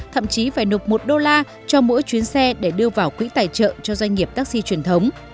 thậm chí phải nộp một đô la cho mỗi chuyến xe để đưa vào quỹ tài trợ cho doanh nghiệp taxi truyền thống